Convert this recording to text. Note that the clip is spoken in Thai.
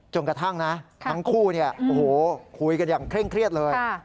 กระทั่งนะทั้งคู่คุยกันอย่างเคร่งเครียดเลย